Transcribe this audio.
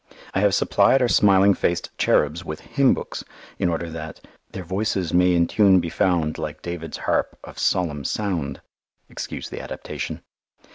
I have supplied our smiling faced cherubs with hymn books in order that "Their voices may in tune be found Like David's harp of solemn sound" excuse the adaptation.